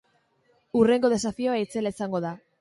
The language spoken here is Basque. Hurrengo desafioa itzela izango da!